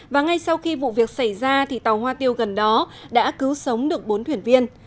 và ngay sau khi vụ việc xảy ra tàu hoa tiêu gần đó đã cứu sống được bốn thuyền viên